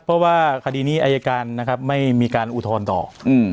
เพราะว่าคดีนี้อายการนะครับไม่มีการอุทธรณ์ต่อ